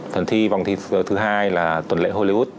phần thi vòng thi thứ hai là tuần lễ hollywood